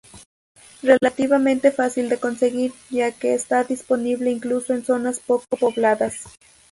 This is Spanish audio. Relativamente fácil de conseguir, ya que está disponible incluso en zonas poco pobladas.